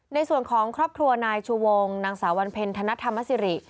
ในส่วนของครอบครัวนายชูวงนางสาววันเพ็ญธนธรรมสิริ